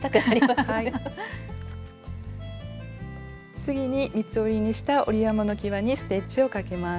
次に三つ折りにした折り山のきわにステッチをかけます。